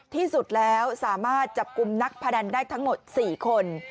ที่สุดแล้วสามารถจับกลุ่มนักพนันได้ทั้งหมด๔คน